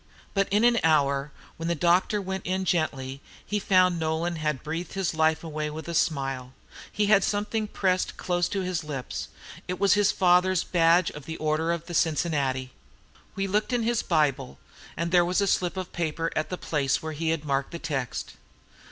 "But in an hour, when the doctor went in gently, he found Nolan had breathed his life away with a smile. He had something pressed close to his lips. It was his father's badge of the Order of the Cincinnati. "We looked in his Bible, and there was a slip of paper at the place where he had marked the text.